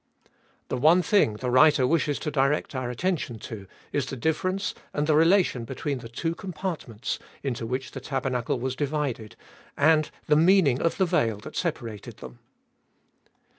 The one thing the writer wishes to direct our attention to is the difference and the relation between the two compartments into which the tabernacle was divided, and the meaning of the veil that separated them.